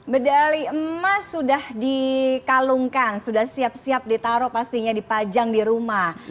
medali emas sudah dikalungkan sudah siap siap ditaruh pastinya dipajang di rumah